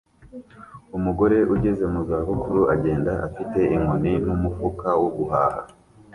Umugore ugeze mu za bukuru agenda afite inkoni n'umufuka wo guhaha